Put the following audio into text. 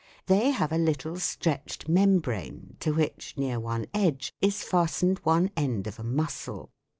They have a little stretched membrane to which, near one edge, is fastened one end of a muscle.